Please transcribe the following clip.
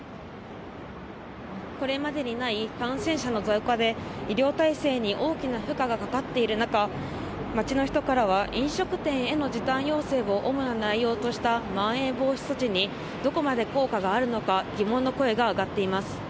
これまでにない感染者の増加で、医療体制に大きな負荷がかかっている中、街の人からは飲食店への時短要請を主な内容としたまん延防止措置に、どこまで効果があるのか、疑問の声が上がっています。